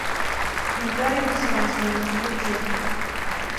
ntibwari busanzwe mu gihe ke